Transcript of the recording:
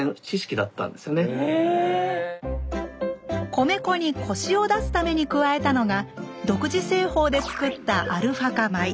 米粉にコシを出すために加えたのが独自製法でつくった「アルファ化米」。